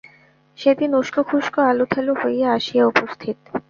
সেদিন উষ্কোখুষ্কো আলুথালু হইয়া আসিয়া উপস্থিত।